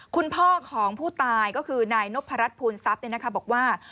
คุณพ่อของผู้ตายก็คือนายนพรัชภูมิทรัพย์บอกว่า